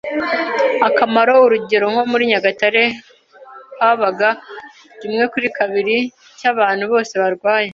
akamaro, urugero nko muri Nyagatare habaga ½ cy’abantu bose barwaye